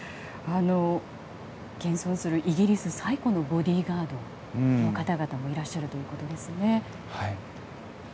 現存するイギリス最古のボディーガードの方々もいらっしゃるということです。